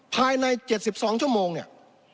ภายในเจ็ดสิบสองชั่วโมงเนี่ย